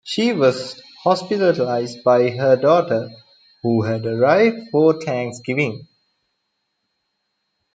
She was hospitalized by her daughter, who had arrived for Thanksgiving.